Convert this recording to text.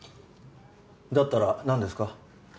だったらなんですか？